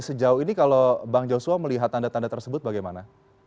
sejauh ini kalau bang joshua melihat tanda tanda tersebut bagaimana